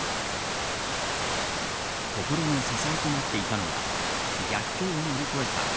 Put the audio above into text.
心の支えとなっていたのは逆境を乗り越えた